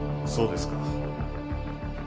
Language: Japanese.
そうですか。